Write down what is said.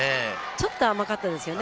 ちょっと甘かったですよね。